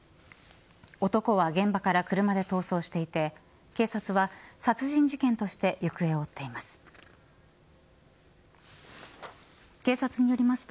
男は現場から車で逃走していて、警察は殺人事件として行方を追っています。